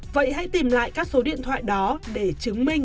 vậy hãy tìm lại các số điện thoại đó để chứng minh